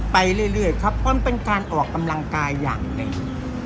ไปเรื่อยครับมันเป็นการออกกำลังกายอย่างหนึ่ง